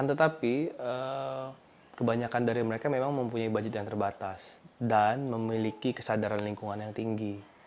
tetapi kebanyakan dari mereka memang mempunyai budget yang terbatas dan memiliki kesadaran lingkungan yang tinggi